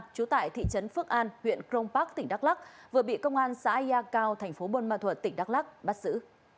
chú tại thị trấn phước an huyện crong park tỉnh đắk lắc vừa bị công an xã yà cao thành phố bôn ma thuật tỉnh đắk lắc bắt xử